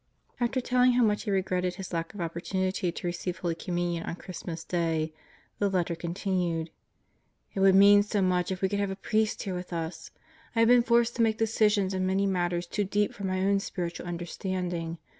After telling how much he regretted his lack of opportunity to receive Holy Communion on Christinas Day, tlie letter continued: It would mean so much if we could have a priest here with us! I have been forced to make decisions in many matters too deep for my own spiritual understanding.